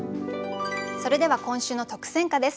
それでは今週の特選歌です。